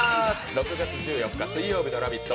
６月１４日水曜日の「ラヴィット！」